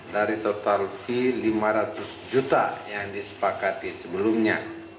dari total fee lima ratus juta yang disepakati sebelumnya